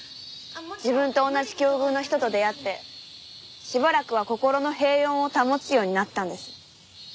自分と同じ境遇の人と出会ってしばらくは心の平穏を保つようになったんです。